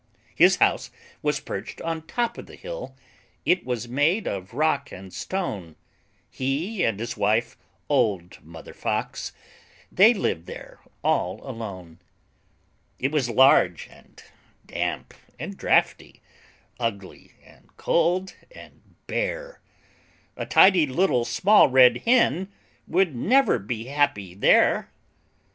His house was perched on top of the hill, It was made of rock and stone; He and his wife, old Mother Fox, They lived there all alone. It was large and damp and draughty, Ugly and cold and bare; A tidy Little Small Red Hen Would never be happy there.